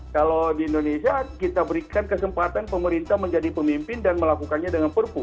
kalau di indonesia kita berikan kesempatan pemerintah menjadi pemimpin dan melakukannya dengan perpu